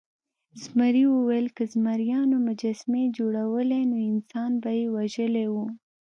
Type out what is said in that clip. زمري وویل که زمریانو مجسمې جوړولی نو انسان به یې وژلی و.